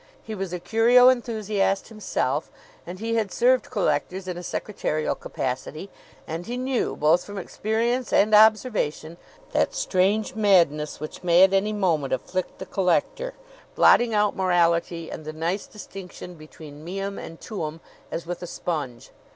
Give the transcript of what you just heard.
He was a curio enthusiast himself and he had served collectors in a secretarial capacity; and he knew, both from experience and observation, that strange madness which may at any moment afflict the collector, blotting out morality and the nice distinction between meum and tuum, as with a sponge.